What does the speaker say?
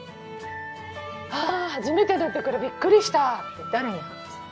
あ初めてだったからびっくりしたって誰に話す？